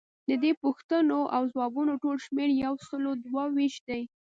ددې پوښتنو او ځوابونو ټول شمیر یوسلو دوه ویشت دی.